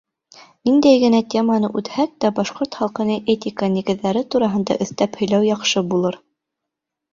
Ниндәй генә теманы үтһәк тә, башҡорт халҡының этика нигеҙҙәре тураһында өҫтәп һөйләү яҡшы булыр.